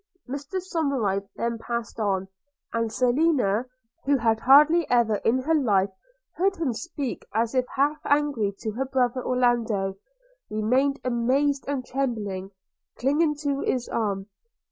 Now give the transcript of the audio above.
Mr Somerive then passed on; and Selina, who had hardly ever in her life heard him speak as if half angry to her brother Orlando, remained amazed and trembling, clinging to his arm.